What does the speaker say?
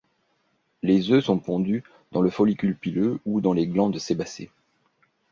Les œufs sont pondus dans le follicule pileux ou dans les glandes sébacées.